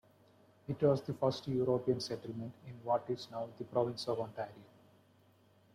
It was the first European settlement in what is now the province of Ontario.